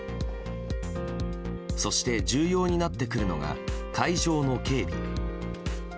そして、重要になってくるのが会場の警備。